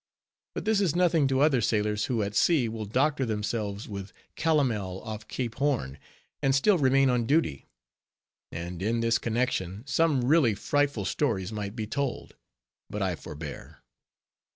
But this is nothing to other sailors, who at sea will doctor themselves with calomel off Cape Horn, and still remain on duty. And in this connection, some really frightful stories might be told; but I forbear.